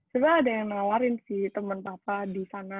sebenernya ada yang ngawarin sih temen papa di sana